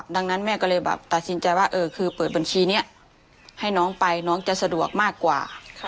ดังนั้นแม่ก็เลยแบบตัดสินใจว่าคือเปิดบัญชีนี้ให้น้องไปน้องจะสะดวกมากกว่า